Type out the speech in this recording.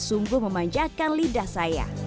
sungguh memanjakan lidah saya